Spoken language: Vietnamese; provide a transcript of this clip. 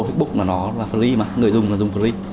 facebook là free mà người dùng là dùng free